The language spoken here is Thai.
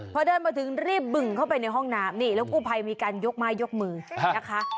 พอเดินมาถึงรีบบึงเข้าไปในห้องน้ำนี่แล้วกู้ภัยมีการยกไม้ยกมือนะคะ